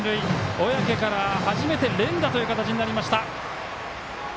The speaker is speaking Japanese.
小宅から初めて連打という形になりました。